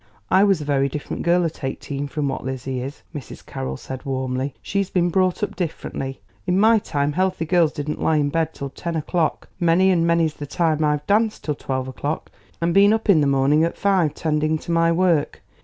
"I was a very different girl at eighteen from what Lizzie is," Mrs. Carroll said warmly. "She's been brought up differently. In my time healthy girls didn't lie in bed till ten o'clock. Many and many's the time I've danced till twelve o'clock and been up in the morning at five 'tending to my work.